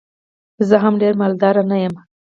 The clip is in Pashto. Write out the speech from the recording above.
زه هم ډېر مالدار نه یم.